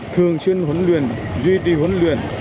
thường xuyên huấn luyện duy trì huấn luyện